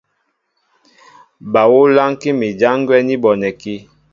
Ba ú lánkí mi ján gwɛ́ ní bonɛkí.